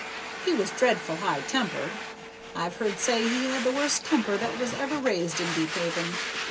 He was dreadful high tempered. I've heard say he had the worst temper that was ever raised in Deephaven.